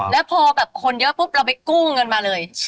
แล้วพอแบบคนเยอะปุ๊บเราไปกู้เงินมาเลย